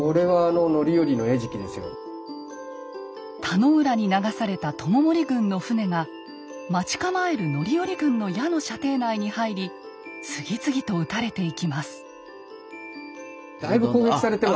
田野浦に流された知盛軍の船が待ち構える範頼軍の矢の射程内に入り次々と討たれていきます。